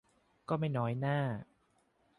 ก็ไม่น้อยหน้า